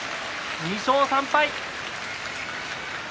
２勝３敗。